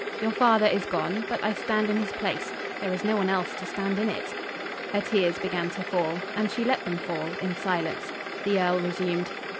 Your father is gone, but I stand in his place, there is no one else to stand in it." Her tears began to fall. And she let them fall in silence. The earl resumed.